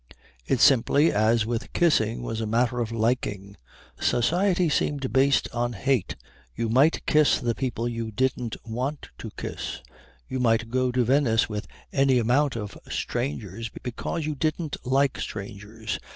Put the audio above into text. It simply, as with kissing, was a matter of liking. Society seemed based on hate. You might kiss the people you didn't want to kiss; you might go to Venice with any amount of strangers because you didn't like strangers.